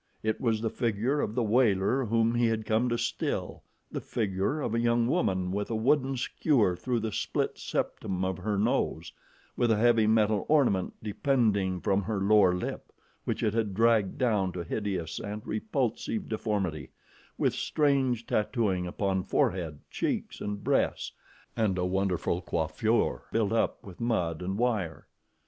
It was the figure of the wailer whom he had come to still, the figure of a young woman with a wooden skewer through the split septum of her nose, with a heavy metal ornament depending from her lower lip, which it had dragged down to hideous and repulsive deformity, with strange tattooing upon forehead, cheeks, and breasts, and a wonderful coiffure built up with mud and wire.